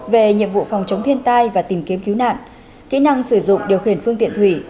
về nhiệm vụ phòng chống thiên tai và tìm kiếm cứu nạn kỹ năng sử dụng điều khiển phương tiện thủy